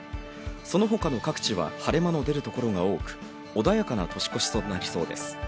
その他の各地は晴れ間の出る所が多く、穏やかな年越しとなりそうです。